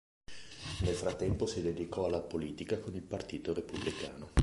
Nel frattempo si dedicò alla politica con il Partito Repubblicano.